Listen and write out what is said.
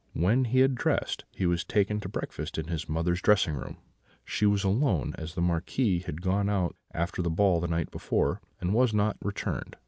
When he had dressed, he was taken to breakfast in his mother's dressing room; she was alone, as the Marquis had gone out after the ball the night before, and was not returned.